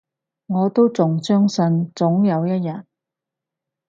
我都仲相信，總有一日